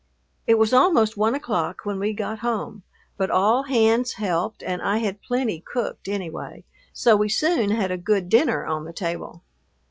It was almost one o'clock when we got home, but all hands helped and I had plenty cooked anyway, so we soon had a good dinner on the table.